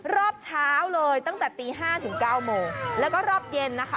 รอบเช้าเลยตั้งแต่ตีห้าถึงเก้าโมงแล้วก็รอบเย็นนะคะ